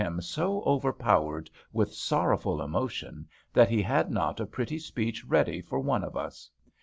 «■«» i^^l^— M DANIELS so overpowered with sorrowful emotion that he had not a pretty speech ready for one of us.